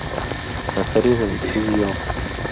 La serie de "Yu-Gi-Oh!